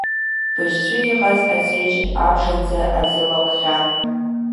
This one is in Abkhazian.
Быжь-ҵәы иҟаз аҵеиџь абжанӡа аӡы лаҟәхьан.